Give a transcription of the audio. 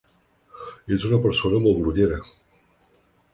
Ets una persona molt grollera.